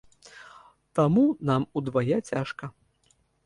Таму нам удвая цяжка.